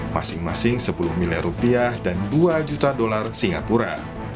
masing masing rp sepuluh miliar dan rp dua juta singapura